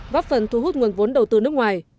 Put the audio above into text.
góp phần thu hút nguồn vốn đầu tư nước ngoài